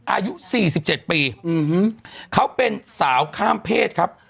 อายุสี่สิบเจ็ดปีเขาเป็นสาวข้ามเพศครับ